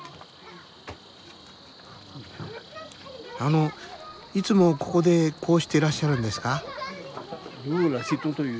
あのいつもここでこうしてらっしゃるんですか？